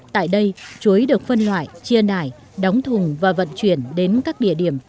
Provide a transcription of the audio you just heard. tại đây chuối được phân loại chia nải đóng thùng và vận chuyển đến các địa điểm tiêu thụ